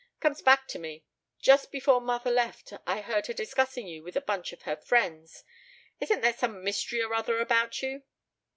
Comes back to me. Just before mother left I heard her discussing you with a bunch of her friends. Isn't there some mystery or other about you?"